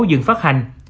dừng phát hành